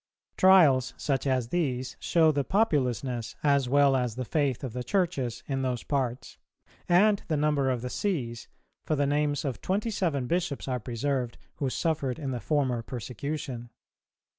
Trials such as these show the populousness as well as the faith of the Churches in those parts, and the number of the Sees, for the names of twenty seven Bishops are preserved who suffered in the former persecution.